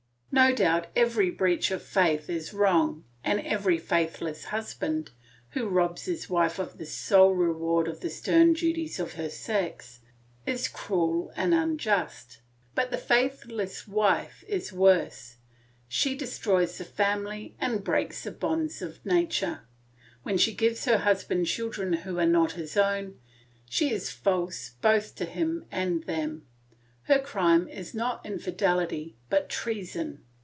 No doubt every breach of faith is wrong, and every faithless husband, who robs his wife of the sole reward of the stern duties of her sex, is cruel and unjust; but the faithless wife is worse; she destroys the family and breaks the bonds of nature; when she gives her husband children who are not his own, she is false both to him and them, her crime is not infidelity but treason.